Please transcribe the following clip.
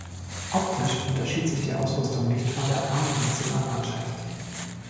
Optisch unterschied sich die Ausrüstung nicht von der der A-Nationalmannschaft.